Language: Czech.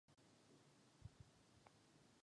To samozřejmě těžce postihuje rybářský průmysl.